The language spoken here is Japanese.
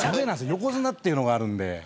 横綱っていうのがあるんで。